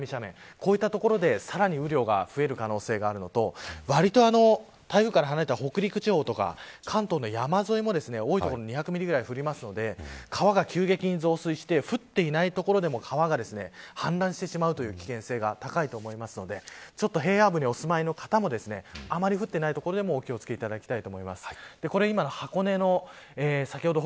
こういった所で、さらに雨量が増える可能性があるのとわりと台風から離れた北陸地方とか関東の山沿いも多い所２００ミリぐらい降るので川が急激に増水して降っていない所でも川が氾濫してしまう危険性が高いと思うので平野部にお住まいの方もあまり降っていない所でもお気を付けていただきたいと思います。